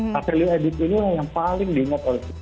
nah value added inilah yang paling diingat oleh